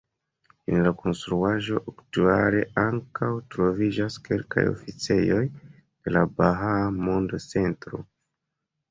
En la konstruaĵo aktuale ankaŭ troviĝas kelkaj oficejoj de la "Bahaa Mond-Centro".